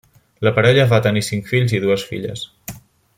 La parella va tenir cinc fills i dues filles.